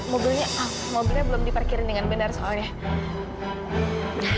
mobilnya ah mobilnya belum di parkirin dengan benar soalnya